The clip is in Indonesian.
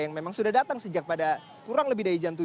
yang memang sudah datang sejak pada kurang lebih dari jam tujuh